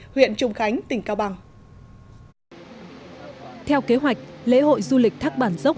huyện trùng khánh tỉnh cao bằng theo kế hoạch lễ hội du lịch thác bản dốc